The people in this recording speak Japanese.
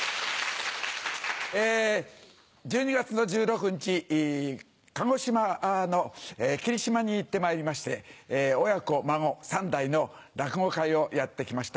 １２月の１６日、鹿児島の霧島に行ってまいりまして、親子、孫、３代の落語会をやってきました。